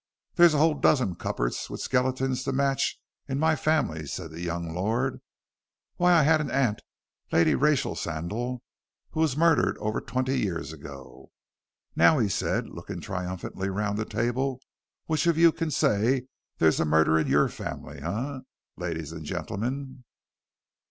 "There's a whole dozen cupboards with skeletons to match in my family," said the young lord. "Why, I had an aunt, Lady Rachel Sandal, who was murdered over twenty years ago. Now," he said, looking triumphantly round the table, "which of you can say there's a murder in your family eh, ladies and gentlemen?"